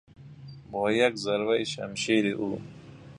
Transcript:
با یک ضربهی شمشیر او